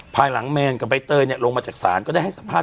ภายหลังแมนกับใบเตยลงมาจากศาลก็ได้ให้สัมภาษ